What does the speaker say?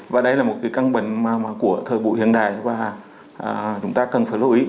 và đây là một căn bệnh của thời bụi hiện đại và chúng ta cần phải lưu ý